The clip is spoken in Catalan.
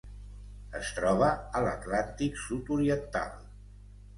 Es troba a l'Atlàntic sud-oriental: